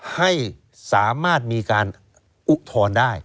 ให้สามารถมีการอุทธรณ์ได้